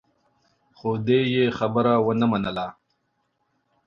خو دې يې خبره ونه منله.